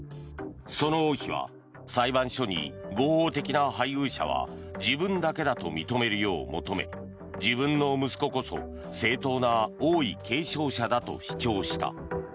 その王妃は裁判所に合法的な配偶者は自分だけだと認めるよう求め自分の息子こそ正当な王位継承者だと主張した。